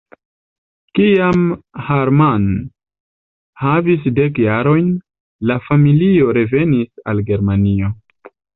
Kiam Hermann havis dek jarojn, la familio revenis al Germanio.